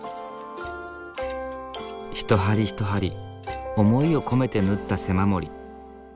一針一針思いを込めて縫った背守り。